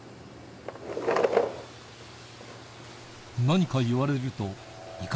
何か言われると・おい！